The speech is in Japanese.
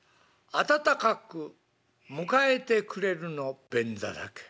「温かく迎えてくれるの便座だけ」。